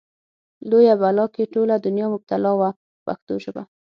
لویه بلا کې ټوله دنیا مبتلا وه په پښتو ژبه.